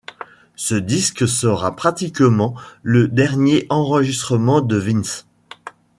Ce disque sera pratiquement le dernier enregistrement de Vince.